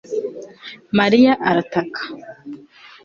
Mariya arataka